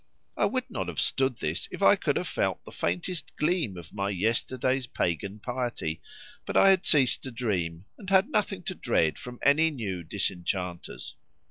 I would not have stood this if I could have felt the faintest gleam of my yesterday's pagan piety, but I had ceased to dream, and had nothing to dread from any new disenchanters.